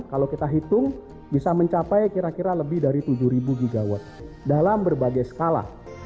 kalau kita hitung bisa mencapai kira kira lebih dari tujuh gigawatt dalam berbagai skala